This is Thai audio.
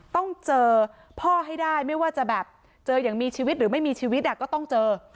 ต้องเจอพ่อให้ได้ไม่ว่าจะแบบเจออย่างมีชีวิตหรือไม่มีชีวิตก็ต้องเจอ